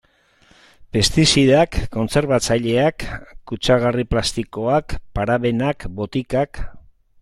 Pestizidak, kontserbatzaileak, kutsagarri plastikoak, parabenak, botikak...